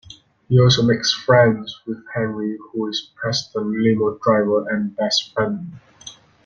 He also makes friends with Henry who is Preston's limo driver and best friend.